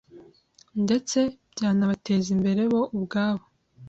ndetse byanabateza imbere bo ubwabo,